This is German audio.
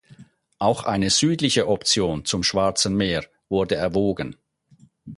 Auch eine südliche Option zum Schwarzen Meer wurde erwogen.